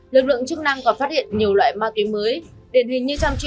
lực lượng chức năng còn phát hiện nhiều loại ma túy mới